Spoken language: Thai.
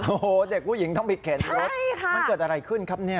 โอ้โหเด็กผู้หญิงต้องไปเข็นรถมันเกิดอะไรขึ้นครับเนี่ย